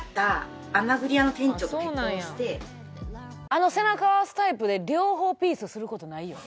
あの背中合わすタイプで両方ピースする事ないよ。